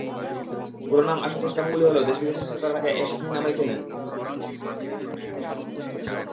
পুরো নাম আশুতোষ গাঙ্গুলি হলেও দেশ-বিদেশের শ্রোতারা তাঁকে অ্যাশ কিং নামেই চেনেন।